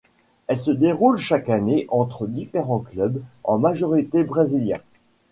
Elle se déroule chaque année entre différents clubs en majorité brésiliens.